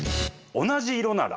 「同じ色なら」。